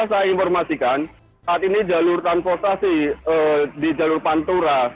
saya informasikan saat ini jalur transportasi di jalur pantura